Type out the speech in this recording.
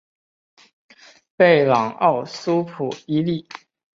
贝朗奥苏普伊利。